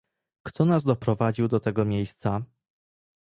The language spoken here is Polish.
Kto nas doprowadził do tego miejsca?